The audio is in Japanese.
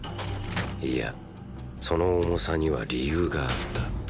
いやその重さには理由があった。